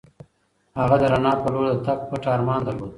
هغه د رڼا په لور د تګ پټ ارمان درلود.